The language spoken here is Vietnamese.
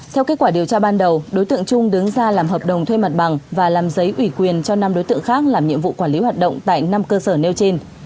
theo kết quả điều tra ban đầu đối tượng trung đứng ra làm hợp đồng thuê mặt bằng và làm giấy ủy quyền cho năm đối tượng khác làm nhiệm vụ quản lý hoạt động tại năm cơ sở nêu trên